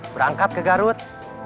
berangkat ke garut